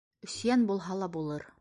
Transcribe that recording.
— Өсйән булһа ла булыр.